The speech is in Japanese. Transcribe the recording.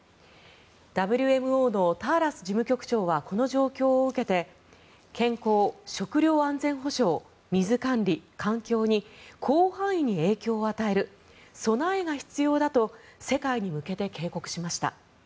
ＷＭＯのターラス事務局長はこれを受けて健康、食料安全保障、水管理環境に広範囲に影響を与える備えが必要だと世界に向けて警告しました。